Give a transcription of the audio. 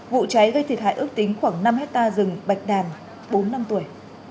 vụ cháy gây thiệt hại ước tính khoảng năm hectare rừng bạch đàn bốn năm tuổi